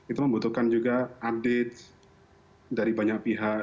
itu membutuhkan juga update dari banyak pihak